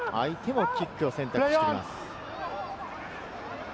相手もキックを選択しています。